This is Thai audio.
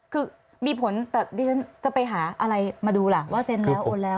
คือมีผลแต่ดิฉันจะไปหาอะไรมาดูล่ะว่าเซ็นแล้วโอนแล้ว